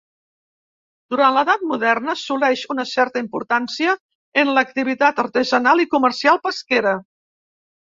Durant l'Edat Moderna assoleix una certa importància en l'activitat artesanal i comercial pesquera.